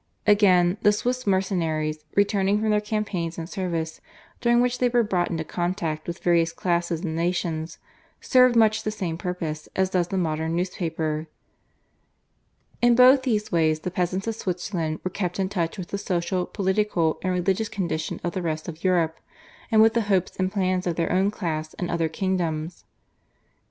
Again, the Swiss mercenaries, returning from their campaigns and service, during which they were brought into contact with various classes and nations, served much the same purpose as does the modern newspaper. In both these ways the peasants of Switzerland were kept in touch with the social, political, and religious condition of the rest of Europe, and with the hopes and plans of their own class in other kingdoms.